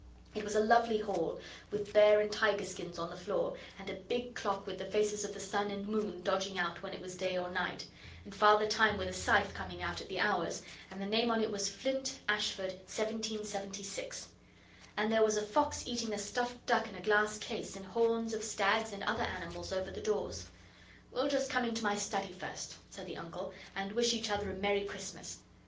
It was a lovely hall, with bear and tiger skins on the floor, and a big clock with the faces of the sun and moon dodging out when it was day or night, and Father Time with a scythe coming out at the hours, and the name on it was 'Flint. Ashford. 1776'; and there was a fox eating a stuffed duck in a glass case, and horns of stags and other animals over the doors. 'We'll just come into my study first,' said the Uncle, 'and wish each other a Merry Christmas.